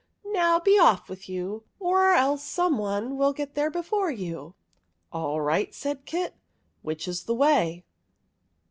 Now, be off with you, or else someone will get there before you !"" All right," said Kit. " Which is the way